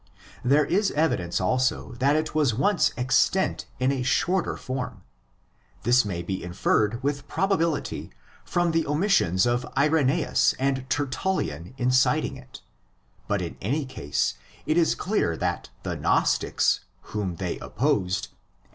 There is evidence also that it was once extant in a shorter form. This may be inferred with probability from the omissions of Irensus and Tertullian in citing it; but in any case it is clear that the Gnostics, whom they opposed, and who 1 Thus xv.